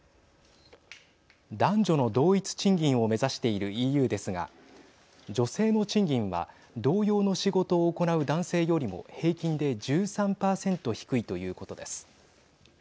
男女の同一賃金を目指しているＥＵですが女性の賃金は同様の仕事を行う男性よりも平均で１３％低いということです。